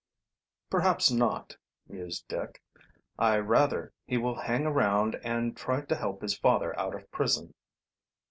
"Perhaps not," mused Dick. "I rather he will hang around and try to help his father out of prison."